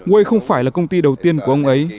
wei không phải là công ty đầu tiên của ông ấy